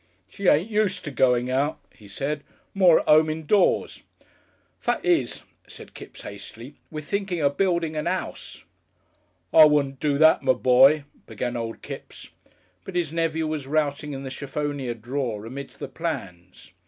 "She ain't used to going out," he said. "More at 'ome indoors." "Fact is," said Kipps, hastily, "we're thinking of building a 'ouse." "I wouldn't do that, my boy," began old Kipps, but his nephew was routing in the cheffonier drawer amidst the plans.